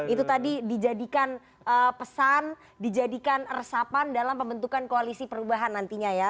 itu tadi dijadikan pesan dijadikan resapan dalam pembentukan koalisi perubahan nantinya ya